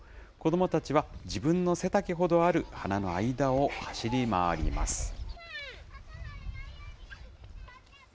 子どもたちは、自分の背丈ほどある花の間を走り回ります。